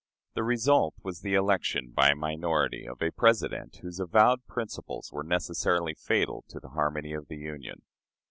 The result was the election, by a minority, of a President whose avowed principles were necessarily fatal to the harmony of the Union.